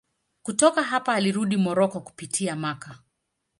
Kutoka hapa alirudi Moroko kupitia Makka.